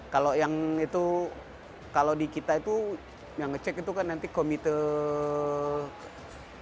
kalau yang itu kalau di kita itu yang ngecek itu kan nanti komite yang pak ahmad ria